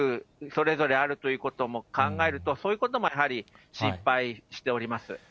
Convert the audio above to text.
それぞれあるということも考えると、そういうこともやはり心配しております。